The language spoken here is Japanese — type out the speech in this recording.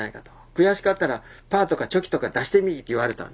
「悔しかったらパーとかチョキとか出してみい」って言われた。